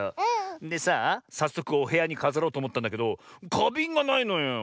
でさあさっそくおへやにかざろうとおもったんだけどかびんがないのよ。